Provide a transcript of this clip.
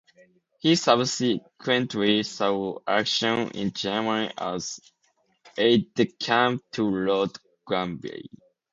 He subsequently saw action in Germany as aide-de-camp to Lord Granby.